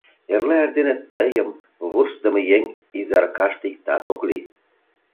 Эрла эрдене тыйым вурсыдымо еҥ Изаркаште иктат ок лий.